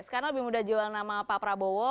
sekarang lebih mudah jual nama pak prabowo